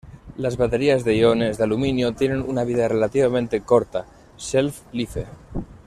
Las baterías de iones de aluminio tienen una vida relativamente corta shelf life.